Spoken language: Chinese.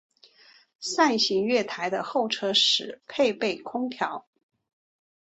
上行月台的候车室配备空调。